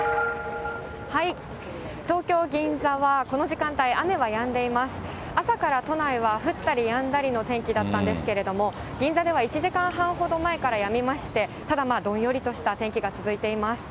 東京・銀座は、この時間帯雨はやんでいます。朝から都内は降ったりやんだりの天気だったんですけれども、銀座では１時間半ほど前からやみまして、ただ、まあ、どんよりとした天気が続いています。